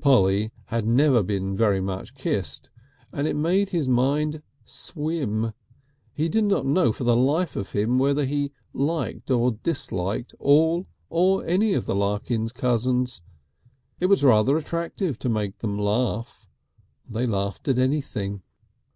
Polly had never been very much kissed, and it made his mind swim. He did not know for the life of him whether he liked or disliked all or any of the Larkins cousins. It was rather attractive to make them laugh; they laughed at anything.